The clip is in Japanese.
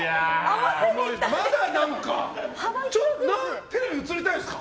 まだテレビ映りたいんですか？